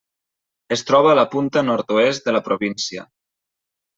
Es troba a la punta nord-oest de la província.